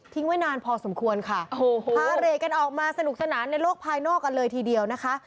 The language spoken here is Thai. ไว้นานพอสมควรค่ะโอ้โหพาเรกกันออกมาสนุกสนานในโลกภายนอกกันเลยทีเดียวนะคะ